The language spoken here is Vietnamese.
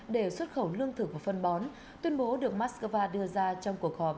để xuất khẩu lương thực và phân bón tuyên bố được moscow đưa ra trong cuộc họp